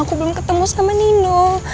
aku belum ketemu sama nino